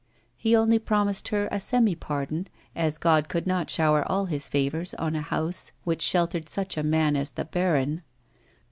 He only promised her a semi pardon, as God could not shower all His favours on a house which slieltered such a man as the baron.